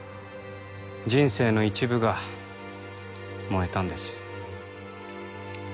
人生の一部が燃えたんです。